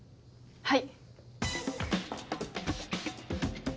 はい。